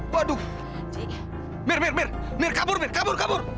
waduh mir mir mir mir kabur kabur kabur